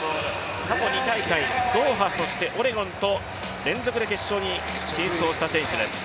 過去２大会、ドーハ、オレゴンと連続で決勝に進出した選手です。